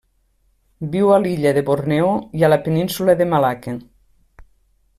Viu a l'illa de Borneo i a la península de Malacca.